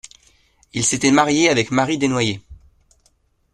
Il s'était marié avec Marie Denoyers.